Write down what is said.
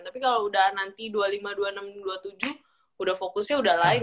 tapi kalau udah nanti dua puluh lima dua puluh enam dua puluh tujuh udah fokusnya udah lain